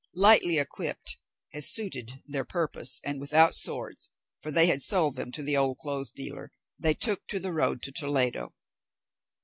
Lightly equipped, as suited their purpose, and without swords, for they had sold them to the old clothes dealer, they took to the road to Toledo.